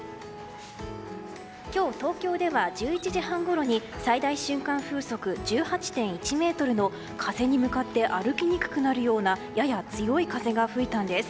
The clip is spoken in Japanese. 今日、東京では１１時半ごろに最大瞬間風速１８．１メートルの風に向かって歩きにくくなるようなやや強い風が吹いたんです。